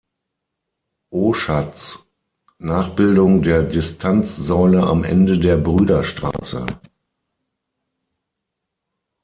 Oschatz: Nachbildung der Distanzsäule am Ende der Brüderstraße.